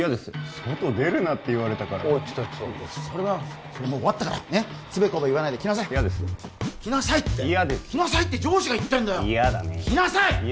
外出るなって言われたから言ってた言ってたそれはそれもう終わったからつべこべ言わないで来なさい嫌です来なさいって来なさいって上司が言ってんだよ嫌だね来なさい！